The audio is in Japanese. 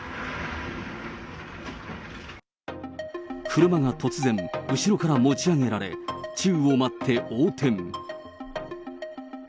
車が突然、後ろから持ち上げられ、宙を舞って横転。